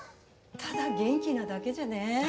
ただ元気なだけじゃねぇ。